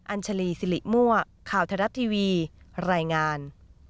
อัญชลีสิริมั่วข่าวทรัพย์ทีวีรายงาน